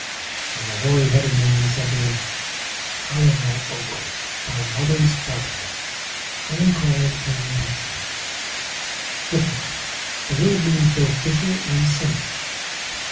And the hoary headed man said to him, "I am thy uncle, thy mother's brother; I am called King Pecheur.[Footnote: The word means both FISHER and SINNER.